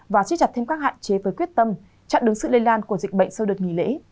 và xích chặt thêm các hạn chế với quyết tâm chặn đứng sự lây lan của dịch bệnh sau đợt nghỉ lễ